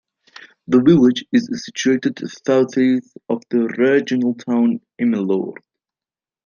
The village is situated south east of the regional town Emmeloord.